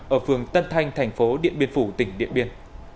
ở phường tân thanh thành phố điện biên phủ tỉnh điện biên